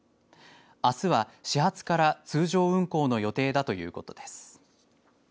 あすは始発から通常運行の予定だということです。